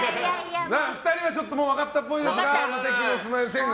２人はもう分かったっぽいですが無敵のスマイル天狗。